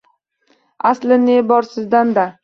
Аsli ne bor sizdan-da